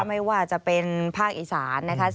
ไม่ว่าจะเป็นภาคอีสานนะคะ